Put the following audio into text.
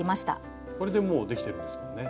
これでもうできてるんですもんね。